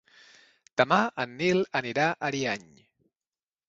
Demà en Nil anirà a Ariany.